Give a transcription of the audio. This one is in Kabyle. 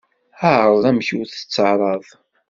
Ԑreḍ amek ur tettarraḍ.